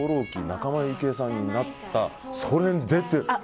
仲間由紀恵さんになったけどそれに出てて。